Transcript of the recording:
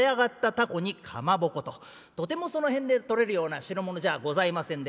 とてもその辺で取れるような代物じゃございませんで。